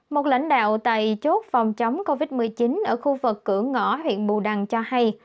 một lãnh đạo tại chốt phòng chống covid một mươi chín ở khu vực cửa ngõ huyện bù đăng cho hay